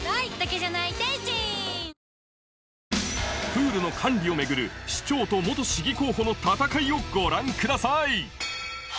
プールの管理を巡る市長と市議候補の戦いをご覧ください